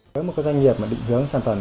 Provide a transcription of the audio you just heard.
với một doanh nghiệp định hướng sản phẩm